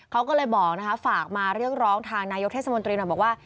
เขาก็เลยบอกนะคะฝากมาเรียกร้องทางนายกเทศมนตรีหน่อยบอกว่า